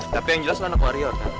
tapi yang jelas lo anak wario kan